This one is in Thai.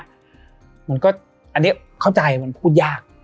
อันนี้เข้าใจมันพูดยาก